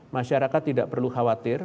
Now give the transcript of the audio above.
masyarakat tidak perlu khawatir